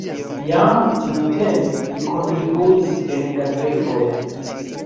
Jam tiutempe li kontribuis en gazetoj.